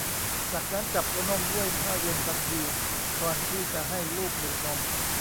จากนั้นจับหัวนมด้วยผ้าเย็นทันทีก่อนที่จะให้ลูกดูดนม